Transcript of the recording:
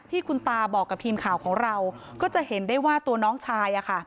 ที่คุณตาบอกกับทีมข่าวของเราก็จะเห็นได้ว่าตัวน้องชาย